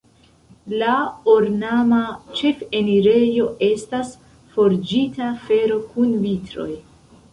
La ornama ĉefenirejo estas forĝita fero kun vitroj.